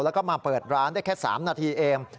แล้วก็มาเปิดร้านได้แค่๓นาทีเอง